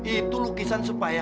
itu lukisan supaya